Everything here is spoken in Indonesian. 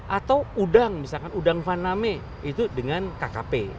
atau udang misalkan udang faname itu dengan kkp